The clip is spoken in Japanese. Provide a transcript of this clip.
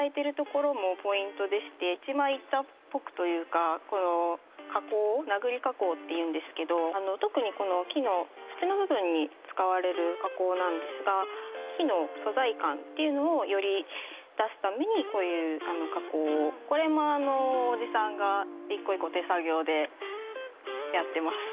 一枚板っぽくというかこの加工なぐり加工っていうんですけど特にこの木の縁の部分に使われる加工なんですが木の素材感っていうのをより出すためにこういう加工をこれもおじさんが一個一個手作業でやってます